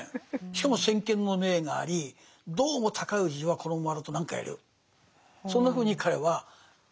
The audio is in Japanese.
しかも先見の明がありどうも高氏はこのままだと何かやるそんなふうに彼は思っていて。